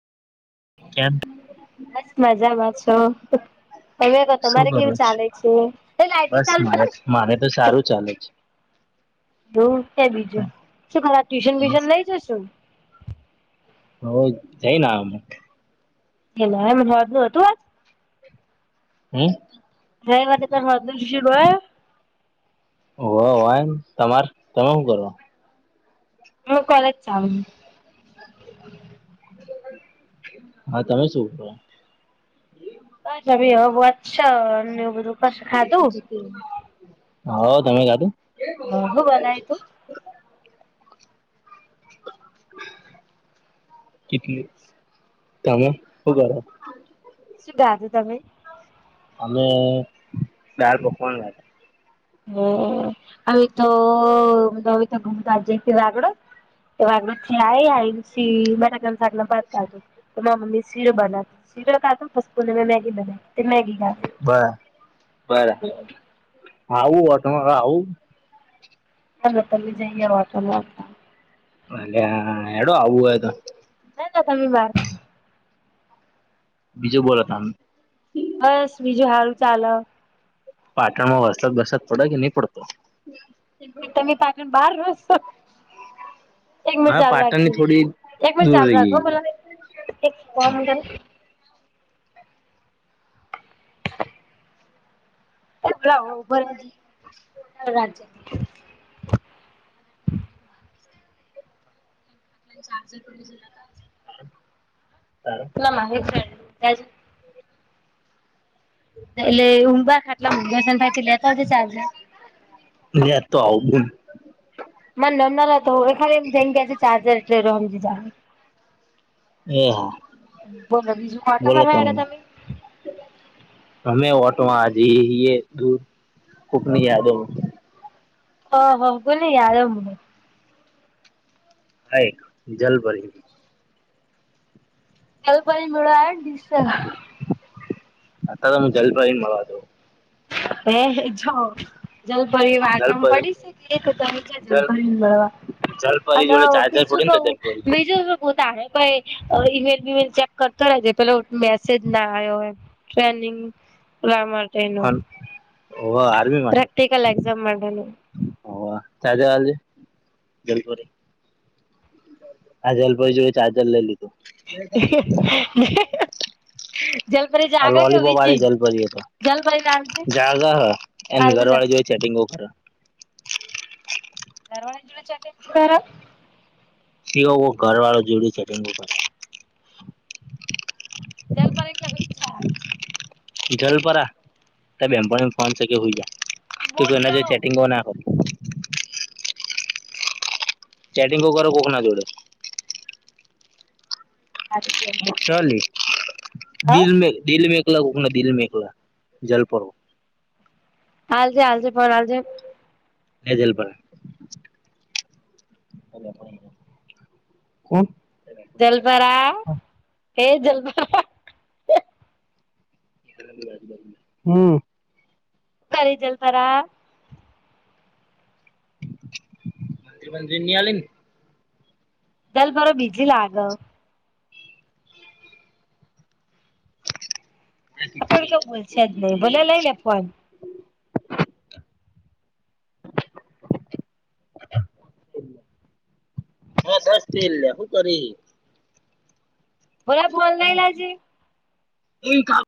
કેમ- - બસ મજામાં છો. હેલો ભાઈ શું તમારે કેવુ કરો છો? ચાલે છે એ લાઈટ તો બસ ચાલુ મારે કર. મારે તો સારું ચાલે છે. હ તે બીજું શું ખરા ટ્યુશન બ્યુશન નઈ જશું. હો જઈને અમ- - એલા હો નું હતું વા- - હમ- - હ મારે ત હ દલ શર- - [inaudible] હોવ હોયમ તમારે તમે શું કરો. હું કોલેજ જાવ ઉ. હા તમે શું કર. ભી હુંછ [inaudible] વું બધું કરશે ખાધું હા તમે ખાધું. હા હું બનાયુ તું. કેટલી તમાં હું કરો. શું ગધ તમે [inaudible] અમે દાળ પકવાન લ હ અ તો ન તો ઘુમતાજ વગડ [inaudible] તો આગળ થી આઈ આઈ પછી બટાકા ના શાક ભાત ખાદુ તો માર મમ્મી. શીરો બનાતો શીર ખાધો પસપને મેગી બનાઇ. બરા બરા આવું અટ આવું. હ ત જ વા લ [inaudible] અલેઆ હેડું આવું એ તો. ના ના તમે માર. બીજું બોલો તમ. બસ બીજું હારુ ચાલ. પાટણમાં વરસાત બડસાત પડે કે નહી પડતો. તમે પાટણ બહાર રહો છો. એક મનિટ હા ચાલુ રાખજે પાટણની થોડી એક મનિટ દૂર ચાલુ રહી રાખ હો બલા એક. ગઈ. હો બરા ચ [inaudible] [inaudible] મા [inaudible] એટલે ઊંબા ખાટલા મસને [inaudible] ભાઈથી લેતા જ ચાર્જર લેતો આવુ એમ. મને નમના હતો એ ખરે એમ જઈ ગયા છે ચાર્જર એટલે રમ જ એ હા બોલો બીજું બોલો કોટામાં તમને તમે અમે ઓટ આજ દૂર કોકની યાદો ઓ હ કોને દ મ [inaudible] હા એક જલપરી. જલપરી મેળવા ને દિશા. આ તો જલપરી ને મળવા દો. હજ જલપરી વાટમાં જલપરી પડી છે એક ત છે જલ જલપરીને મળવા. જલપરી અને જોડે ચાર્જર બીજું પડ્યું ને કવું તો જલપરી જોડે બીજું શું ક તારે કાએ. ઈમેલ બીમેલ ચેક કરતો રહે છે પેલો મેસેજ ના આયો હોય ટ્રેનિંગ રામા ચાઈના. હોવ આર્મી માટે. એક્ઝામ માટેનું હોવ ચાજર આલજે જલપરી. હા જલપરી જોડે ચાજર લઈ લ ઈ. [inaudible] જલપરી જાગે કે વોલીબોલ હુઈ વાે જી જલ ભરીએ તો જલપરી ને આલજે જાગા હ એને આલજે ઘર વાળી જલપરી જોઈ ચેટિંગો કરે. [unintelligible] [unintelligible] દલપરી કે હ હોઈ જલપરા ત બેમપળ ફન છે કે હોઈ જાય. ત બોલ તું એના જો નો ચેટિંગ હો નાખ. ચેટંગ કો કરર કોકખના જોડે [unintelligible] [unintelligible] આલજે આલજે ફોન આલજે. [unintelligible] કોણ. જલપરા એ જલપરા. હમ્મ. એય જલપરા. મંત્રી બંત્રી ની આલી ને. જલપરો બીજી લાગે. કોઈ તો બોલશે જ નઈ ભલે લઈ લે ફન. [inaudible] [unintelligible] ભલે ફોન લઈ લેજે [unintelligible]